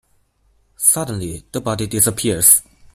Suddenly the body disappears.